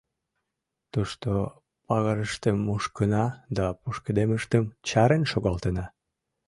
Тушто пагарыштым мушкына да пушкедмыштым чарен шогалтена.